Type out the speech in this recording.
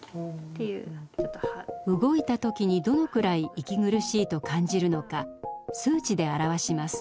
動いた時にどのくらい息苦しいと感じるのか数値で表します。